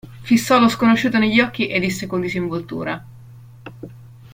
Fissò lo sconosciuto negli occhi e disse con disinvoltura.